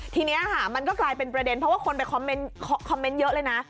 ทีนี้ค่ะมันก็กลายเป็นประเด็นเพราะว่าคนไปคอมเมนต์เยอะเลยนะ